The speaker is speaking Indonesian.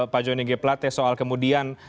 pak joni g plate soal kemudian